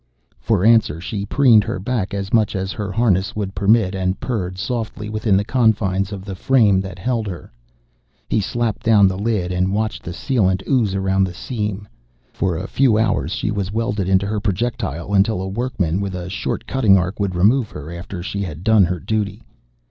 For answer, she preened her back as much as her harness would permit and purred softly within the confines of the frame that held her. He slapped down the lid and watched the sealant ooze around the seam. For a few hours, she was welded into her projectile until a workman with a short cutting arc would remove her after she had done her duty.